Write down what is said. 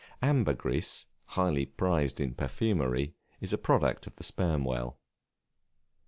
Ambergris, highly prized in perfumery, is a product of the sperm whale.